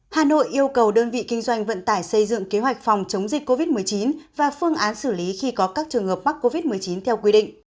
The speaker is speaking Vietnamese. hà nội yêu cầu đơn vị kinh doanh vận tải xây dựng kế hoạch phòng chống dịch covid một mươi chín và phương án xử lý khi có các trường hợp mắc covid một mươi chín theo quy định